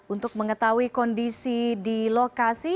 untuk mengetahui kondisi di lokasi